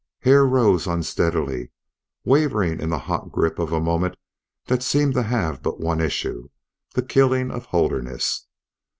Hare rose unsteadily, wavering in the hot grip of a moment that seemed to have but one issue the killing of Holderness.